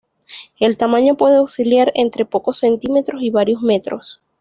El tamaño puede oscilar entre pocos centímetros y varios metros.